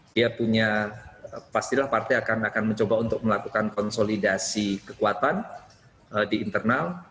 dia punya pastilah partai akan mencoba untuk melakukan konsolidasi kekuatan di internal